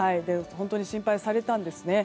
本当に心配されたんですね。